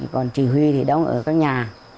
còn chỉ huy thì đóng ở các nhà